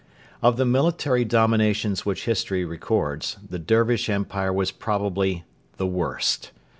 Of the military dominations which history records, the Dervish Empire was probably the worst.